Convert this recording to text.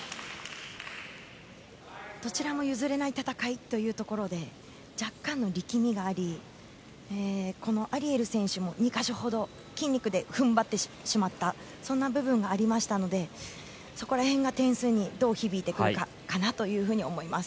どちらも譲れない戦いというところで若干の力みがありアリエル選手も２か所ほど筋肉で踏ん張ってしまったそんな部分がありましたのでそこら辺が点数にどう響いてくるかなと思います。